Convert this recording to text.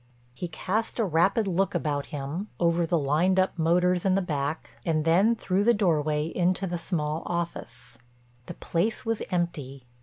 He cast a rapid look about him, over the lined up motors in the back, and then through the doorway into the small office. The place was empty.